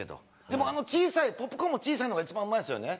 でもあの小さいポップコーンも小さいのが一番うまいですよね。